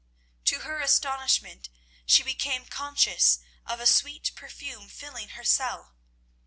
To her astonishment, she became conscious of a sweet perfume filling her cell.